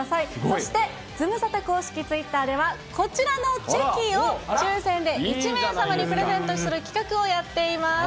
そして、ズムサタ公式ツイッターでは、こちらのチェキを抽せんで１名様にプレゼントする企画をやっています。